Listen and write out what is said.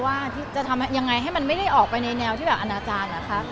ว่าจะทำยังไงให้มันไม่ได้ออกไปในแนวที่แบบอนาจารย์นะคะ